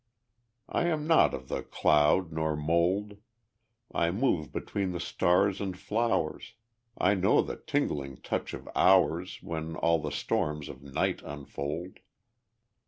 I am not of the cloud nor mold, I move between the stars and flowers, I know the tingling touch of hours When all the storms of night unfold.